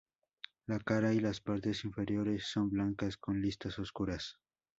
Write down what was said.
La cara y las partes inferiores son blancas con listas oscuras.